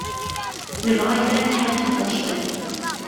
Nebɣa kra n lḥaǧa tajdidt.